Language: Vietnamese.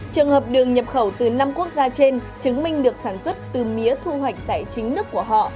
trường hợp đường nhập khẩu từ năm quốc gia trên chứng minh được sản xuất từ mía thu hoạch tại chính nước của họ